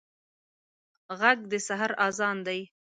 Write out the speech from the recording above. غږ د سحر اذان دی